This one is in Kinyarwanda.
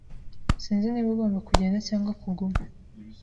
Sinzi niba ugomba kugenda cyangwa kuguma